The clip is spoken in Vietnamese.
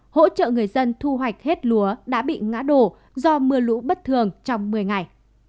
hỗ trợ người dân thu hoạch hết lúa đã bị ngã đổ do mưa lũ bất thường trong một mươi ngày